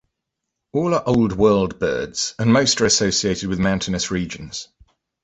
All are Old World birds, and most are associated with mountainous regions.